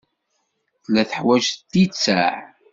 Tella teḥwaj littseɛ.